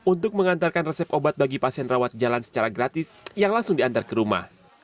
untuk mengantarkan resep obat bagi pasien rawat jalan secara gratis yang langsung diantar ke rumah